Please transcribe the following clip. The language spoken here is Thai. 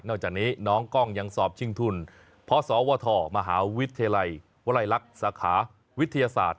จากนี้น้องกล้องยังสอบชิงทุนพศวทมหาวิทยาลัยวลัยลักษณ์สาขาวิทยาศาสตร์